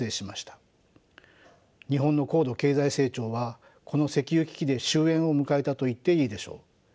日本の高度経済成長はこの石油危機で終えんを迎えたといっていいでしょう。